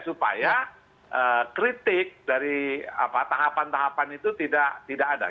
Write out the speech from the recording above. supaya kritik dari tahapan tahapan itu tidak ada